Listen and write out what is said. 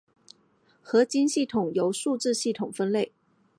合金系统由数字系统分类。